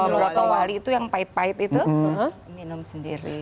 broto wali itu yang pait pait itu minum sendiri